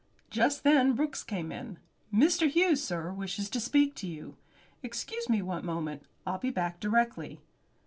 Just then Brooks came in. "Mr. Hughes, sir, wishes to speak to you." "Excuse me one moment I'll be back directly."